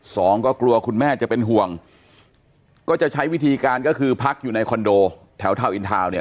สองก็กลัวคุณแม่จะเป็นห่วงก็จะใช้วิธีการก็คือพักอยู่ในคอนโดแถวทาวนอินทาวน์เนี่ย